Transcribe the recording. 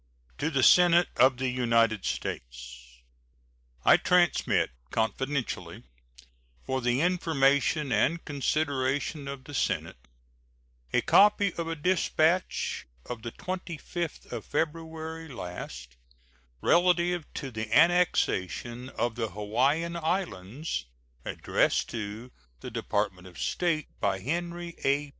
To the Senate of the United States: I transmit confidentially, for the information and consideration of the Senate, a copy of a dispatch of the 25th of February last relative to the annexation of the Hawaiian Islands, addressed to the Department of State by Henry A.